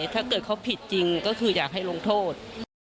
ถ้าเกิดเขาผิดจริงก็คืออยากให้ลงโทษ